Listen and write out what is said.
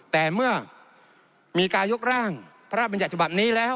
แต่เมื่อมีการยกร่างพระราชบัญญัติฉบับนี้แล้ว